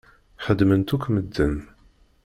Xedmen-tt akk medden.